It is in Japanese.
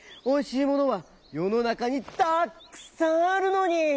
おいしいものはよのなかにたっくさんあるのに！」。